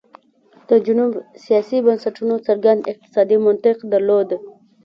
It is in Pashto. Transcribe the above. د جنوب سیاسي بنسټونو څرګند اقتصادي منطق درلود.